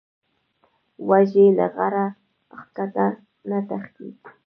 وزې له غره ښکته نه تښتي